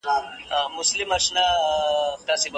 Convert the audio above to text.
زه به نن شپه په انټرنیټ کې تحقیق وکړم.